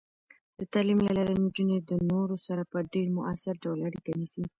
د تعلیم له لارې، نجونې د نورو سره په ډیر مؤثر ډول اړیکه نیسي.